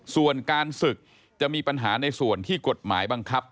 ส่วนการศึกจะมีปัญหาในส่วนที่กฎหมายบังคับ